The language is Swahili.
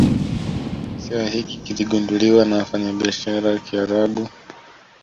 Kisiwa hiki kiligunduliwa na wafanyabiashara wa kiarabu